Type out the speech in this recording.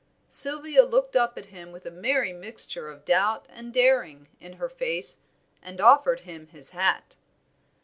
Sylvia looked up at him with a merry mixture of doubt and daring in her face, and offered him his hat.